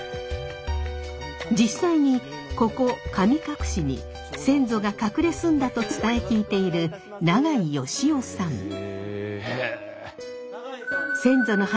実際にここ神隠に先祖が隠れ住んだと伝え聞いている永井喜男さん。